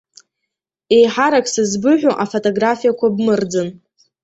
Еиҳарак сызбыҳәо, афотографиақәа бмырӡын.